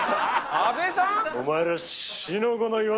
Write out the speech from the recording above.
阿部さん？